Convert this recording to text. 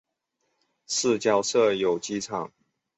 市郊设有机场。